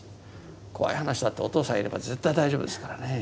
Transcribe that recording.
怖い話だってお父さんいれば絶対大丈夫ですからね。